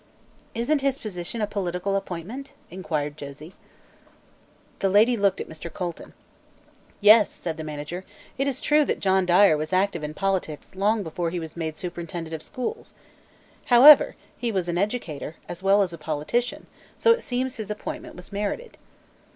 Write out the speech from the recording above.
"Isn't his position a political appointment?" inquired Josie. The lady looked at Mr. Colton. "Yes," said the manager. "It is true that John Dyer was active in politics long before he was made superintendent of schools. However, he was an educator, as well as a politician, so it seems his appointment was merited."